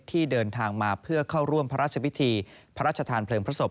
ที่เดินทางมาเพื่อเข้าร่วมพระราชพิธีพระราชทานเพลิงพระศพ